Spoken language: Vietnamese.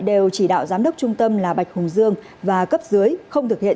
đều chỉ đạo giám đốc trung tâm là bạch hùng dương và cấp dưới không thực hiện